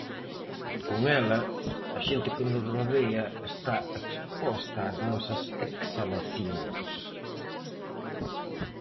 Con ela, a xente que nos rodea está exposta ás nosas exhalacións.